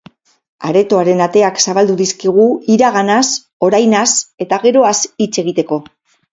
Aretoaren ateak zabaldu dizkigu iraganaz, orainaz eta geroaz hitz egiteko.